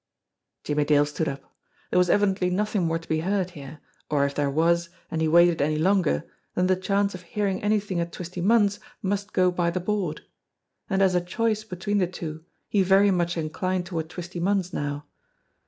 Jimmie Dale stood up. There was evidently nothing more to be heard here, or if there was, and he waited any longer, then the chance of hearing anything at Twisty Munn's must go by the board and as a choice between the two he very much inclined toward Twisty Munn's now.